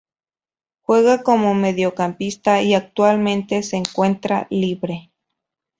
Juega como mediocampista y actualmente se encuentra libre.